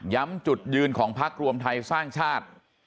จุดยืนของพักรวมไทยสร้างชาติ